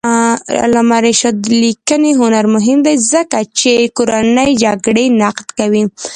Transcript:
د علامه رشاد لیکنی هنر مهم دی ځکه چې کورنۍ جګړې نقد کوي.